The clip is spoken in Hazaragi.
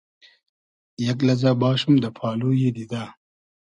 یئگ لئزۂ باشوم دۂ پالویی دیدۂ